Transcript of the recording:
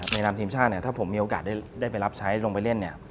ในรำทีมช่างถ้าผมมีโอกาสได้ไปรับใช้ลงไปเล่น